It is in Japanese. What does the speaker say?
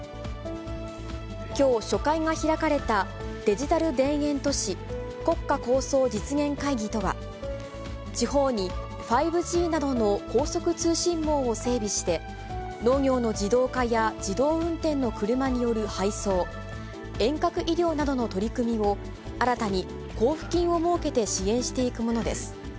きょう、初回が開かれた、デジタル田園都市国家構想実現会議とは、地方に５Ｇなどの高速通信網を整備して、農業の自動化や自動運転の車による配送、遠隔医療などの取り組みを新たに交付金を設けて支援していくものです。